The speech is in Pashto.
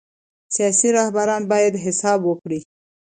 سیاسي رهبران باید حساب ورکړي